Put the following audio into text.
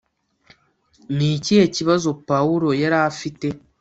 Ni ikihe kibazo Pawulo yari afite‽